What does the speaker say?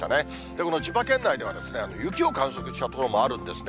この千葉県内では、雪を観測した所もあるんですね。